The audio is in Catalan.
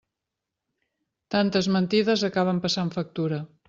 Tantes mentides acaben passant factura.